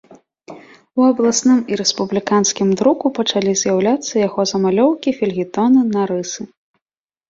У абласным і рэспубліканскім друку пачалі з'яўляцца яго замалёўкі, фельетоны, нарысы.